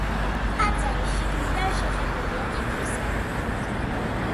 ტაძარი შიგნიდან შეღებილია თეთრი საღებავით.